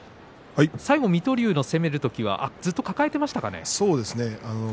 最後、水戸龍の攻める時はずっと抱えていましたかね。